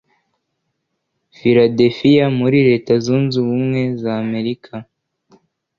Philadelphia muri Leta Zunze Abumwe za Amerika